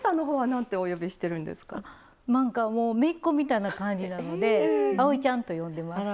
なんかもうめいっ子みたいな感じなのであおいちゃんと呼んでます。